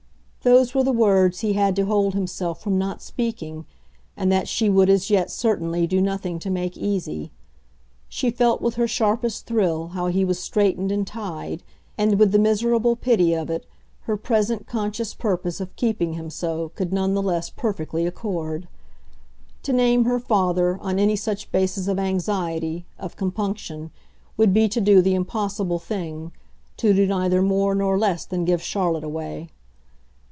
those were the words he had to hold himself from not speaking and that she would as yet, certainly, do nothing to make easy. She felt with her sharpest thrill how he was straitened and tied, and with the miserable pity of it her present conscious purpose of keeping him so could none the less perfectly accord. To name her father, on any such basis of anxiety, of compunction, would be to do the impossible thing, to do neither more nor less than give Charlotte away.